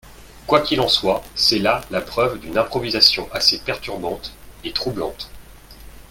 Quoi qu’il en soit, c’est là la preuve d’une improvisation assez perturbante et troublante.